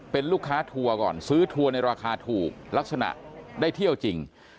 เป็นลูกค้าทัวร์ก่อนซื้อทัวร์ในราคาถูกลักษณะได้เที่ยวจริง